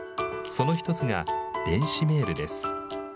その１つが、電子メールです。